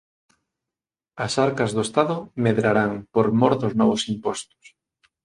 As arcas do Estado medrarán por mor dos novos impostos